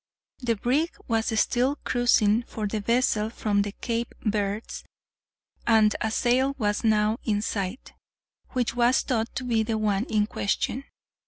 The brig was still cruising for the vessel from the Cape Verds, and a sail was now in sight, which was thought to be the one in question.